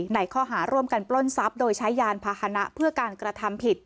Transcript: ในข้อหาร่วมกันปล้นทรัพย์โดยใช้ยานพาหนะเพื่อการกระทำผิด